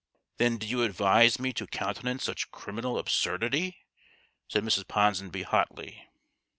" Then do you advise me to countenance such criminal absurdity ?" said Mrs. Ponsonby, hotly.